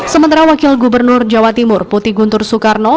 sementara wakil gubernur jawa timur putih guntur soekarno